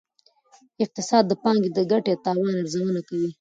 اقتصاد د پانګې د ګټې او تاوان ارزونه کوي.